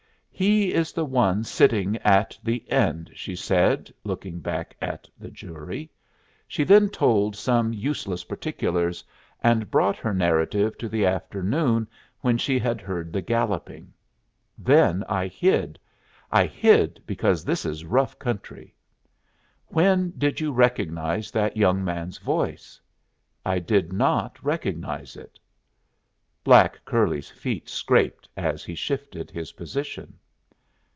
"He is the one sitting at the end," she said, looking back at the jury. She then told some useless particulars, and brought her narrative to the afternoon when she had heard the galloping. "Then I hid. I hid because this is a rough country." "When did you recognize that young man's voice?" "I did not recognize it." Black curly's feet scraped as he shifted his position.